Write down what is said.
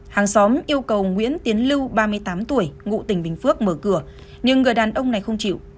hàng xóm yêu cầu nguyễn tiến lưu ba mươi tám tuổi ngụ tỉnh bình phước mở cửa nhưng người đàn ông này không chịu